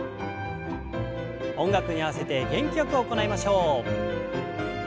音楽に合わせて元気よく行いましょう。